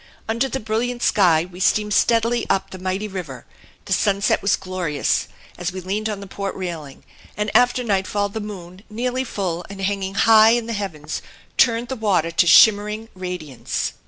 Under the brilliant sky we steamed steadily up the mighty river; the sunset was glorious as we leaned on the port railing; and after nightfall the moon, nearly full and hanging high in the heavens, turned the water to shimmering radiance.